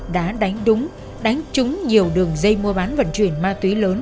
đã đánh đúng đánh trúng nhiều đường dây mua bán vận chuyển ma túy lớn